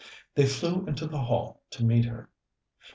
They flew into the hall to meet her.